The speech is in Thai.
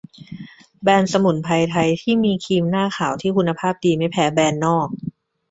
แบรนด์สมุนไพรไทยก็มีครีมหน้าขาวที่คุณภาพดีไม่แพ้แบรนด์นอก